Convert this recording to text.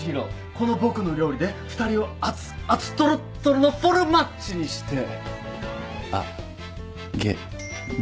この僕の料理で２人を熱々とろっとろのフォルマッジにしてあ・げ・る。